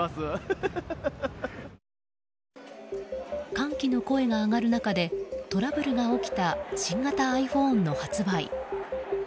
歓喜の声が上がる中でトラブルが起きた新型ｉＰｈｏｎｅの発売。